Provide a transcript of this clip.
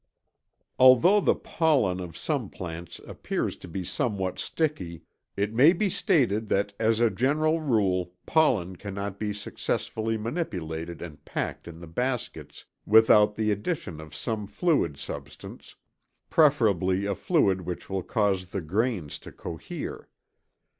Although the pollen of some plants appears to be somewhat sticky, it may be stated that as a general rule pollen can not be successfully manipulated and packed in the baskets without the addition of some fluid substance, preferably a fluid which will cause the grains to cohere.